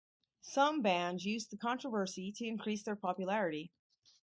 Some bands used the controversy to increase their popularity.